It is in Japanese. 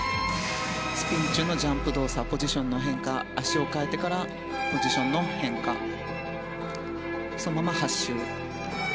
スピン中のジャンプ動作ポジションの変化足を換えてからポジションの変化そのまま８周。